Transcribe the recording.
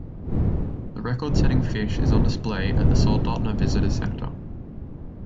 The record-setting fish is on display at the Soldotna Visitor Center.